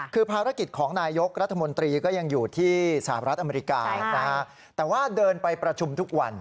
คือภารกิจของนายกรัฐมนตรีก็ยังอยู่ที่สหรัฐอเมริกานะฮะแต่ว่าเดินไปประชุมทุกวัน